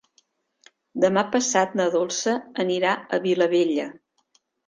Demà passat na Dolça anirà a Vilabella.